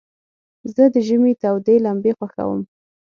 زه د ژمي تودي لمبي خوښوم.